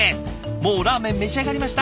もうラーメン召し上がりました？